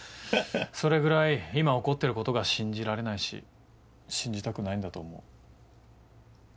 それぐらい今起こってることが信じられないし信じたくないんだと思う。